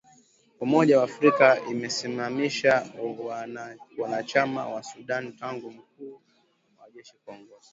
Umoja wa Afrika imesimamisha Uanachama wa Sudan tangu mkuu wa jeshi kuongoza